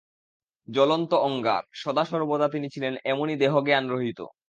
জ্বলন্ত অঙ্গার! সদাসর্বদা তিনি ছিলেন এমনই দেহজ্ঞান-রহিত।